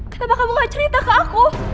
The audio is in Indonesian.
kenapa kamu gak cerita ke aku